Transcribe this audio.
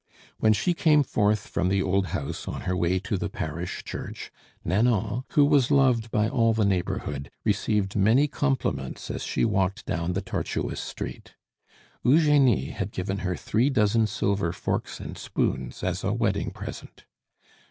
When she came forth from the old house on her way to the parish church, Nanon, who was loved by all the neighborhood, received many compliments as she walked down the tortuous street. Eugenie had given her three dozen silver forks and spoons as a wedding present.